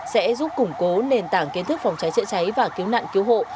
sẽ giúp củng cố nền tảng kiến thức phòng cháy chữa cháy và cứu nạn cứu hộ